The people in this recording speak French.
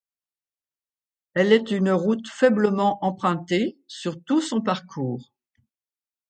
Elle est une route faiblement empruntée sur tout son parcours.